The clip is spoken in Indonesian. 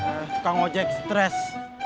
enggak mau ngejek stres